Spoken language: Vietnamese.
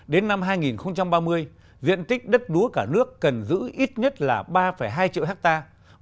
đến năm hai nghìn ba mươi diện tích đất lúa cả nước cần giữ ít nhất là ba hai triệu hectare